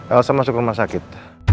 elsa masuk rumah sakit